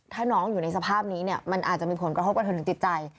ถ้าน้องอยู่สภาพนี้มันอาจจะมีผลกระโภบกระทงของจิตใจ